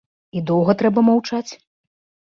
І доўга трэба маўчаць?